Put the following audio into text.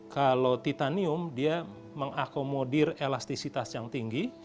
kalau titanium dia mengakomodir elastisitas yang tinggi